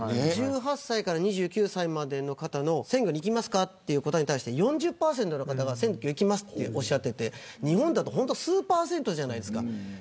１８歳から２９歳までの方選挙に行きますかという質問に対して４０％の方が選挙に行きますと言っていて日本だと数％じゃないですか。